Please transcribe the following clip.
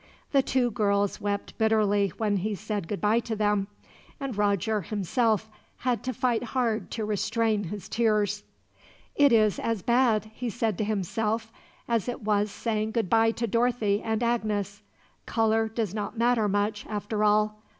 The two girls wept bitterly when he said goodbye to them, and Roger, himself, had to fight hard to restrain his tears. "It is as bad," he said to himself, "as it was saying goodbye to Dorothy and Agnes. Color does not matter much, after all.